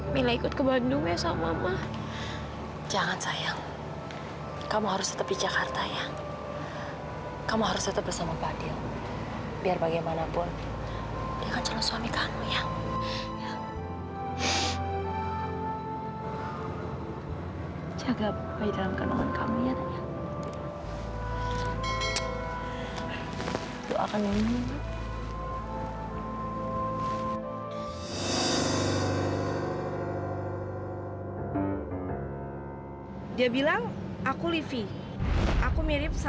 mila sama sekali gak mencuri ma